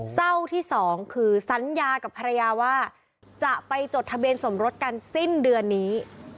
เศร้าที่สองคือสัญญากับภรรยาว่าจะไปจดทะเบียนสมรสกันสิ้นเดือนนี้